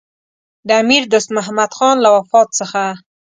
د امیر دوست محمدخان له وفات څخه.